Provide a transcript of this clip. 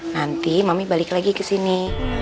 nanti mami balik lagi kesini